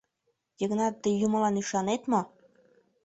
Йыгнат, тый юмылан ӱшанет мо?